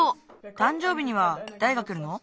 たんじょうびにはだれがくるの？